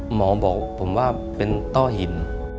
หมอบอกผมว่าเป็นต้อหิน